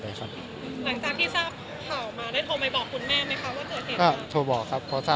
หลังจากที่ทราบข่าวมา